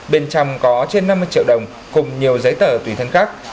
bên trong có trên năm mươi triệu đồng cùng nhiều giấy tờ tùy thân khác